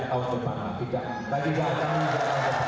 tidak akan menginjak tahun ke depan